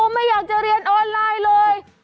ไม่อยากจะเรียนออนไลน์เลย